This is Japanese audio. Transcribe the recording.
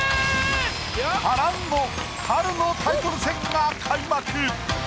波乱の春のタイトル戦が開幕！